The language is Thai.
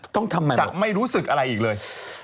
ต้องทำมันหรือเปล่าจะไม่รู้สึกอะไรอีกเลย